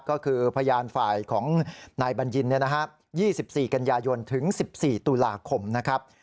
ก็คือพยานฝ่ายของนายบัญญิน๒๔กันยายนถึง๑๔ตุลาคมนะครับ